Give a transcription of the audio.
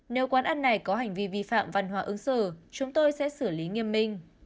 nếu quán ăn này có hành vi vi phạm văn hóa ứng xử chúng tôi sẽ xử lý nghiêm minh